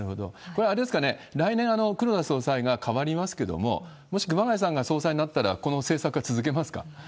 これ、あれですかね、来年、黒田総裁が代わりますけれども、もし熊谷さんが総裁になったら、この政策は続けますか